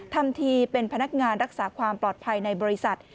ทำทีเป็นพนักงานรักษาความปลอดภัยในบริษัท